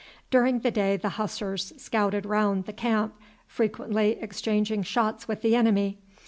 During the day the Hussars scouted round the camp, frequently exchanging shots with the enemy.